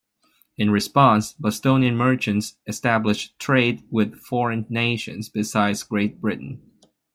In response, Bostonian merchants established trade with foreign nations besides Great Britain.